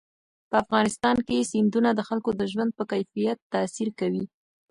په افغانستان کې سیندونه د خلکو د ژوند په کیفیت تاثیر کوي.